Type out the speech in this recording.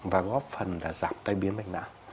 và góp phần là giảm tai biến mạch não